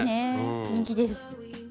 人気です。